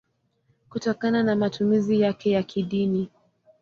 kutokana na matumizi yake ya kidini.